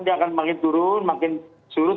dia akan makin turun makin surut